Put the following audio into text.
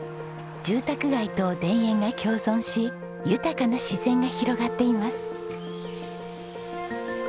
住宅街と田園が共存し豊かな自然が広がっています。